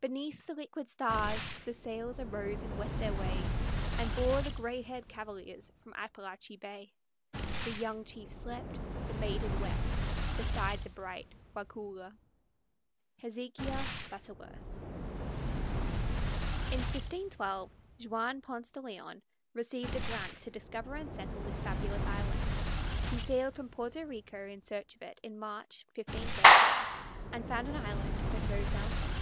Beneath the liquid stars the sails Arose and went their way, And bore the gray haired cavaliers from Appalachee Bay. The young chief slept, The maiden wept, Beside the bright Waukulla. HEZEKIAH BUTTERWORTH. In 1512 Juan Ponce de Leon received a grant to discover and settle this fabulous island. He sailed from Porto Rico in search of it in March, 1513, and found an island but no fountain.